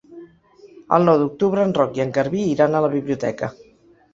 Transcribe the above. El nou d'octubre en Roc i en Garbí iran a la biblioteca.